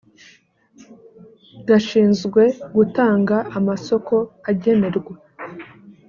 gashinzwe gutanga amasoko agenerwa